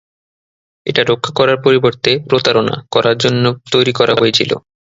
এটা রক্ষা করার পরিবর্তে "প্রতারণা" করার জন্য তৈরি করা হয়েছিল।